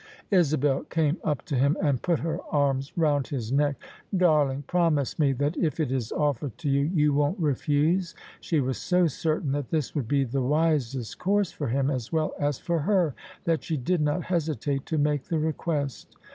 Isabel came up to him, and put her arms round his neck. " Darling, promise me that if it is offered to you, you won't refuse." She was so certain that this would be the wisest course for him as well as for her, that she did not hesitate to make the request.